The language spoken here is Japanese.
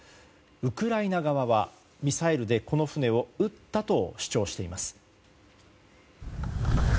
ウクライナ側はミサイルでこの船を撃ったと主張しています。